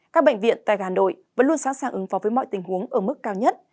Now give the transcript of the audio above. các bệnh viện tại hà nội vẫn luôn sẵn sàng ứng phó với mọi tình huống ở mức cao nhất